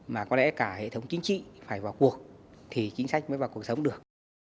mà có lẽ cả hệ thống chính trị phải vào cuộc thì chính sách mới vào cuộc sống được